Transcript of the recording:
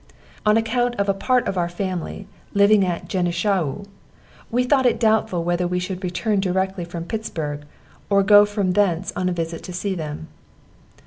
On account of a part of our family living at Genishau, we thought it doubtful whether we should return directly from Pittsburgh, or go from thence on a visit to see them.